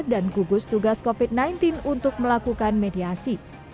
dan gugus tugas covid sembilan belas untuk melakukan mediasi